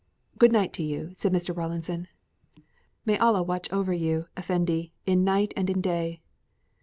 "Good night to you," said Mr. Rawlinson. "May Allah watch over you, effendi, in night and in day."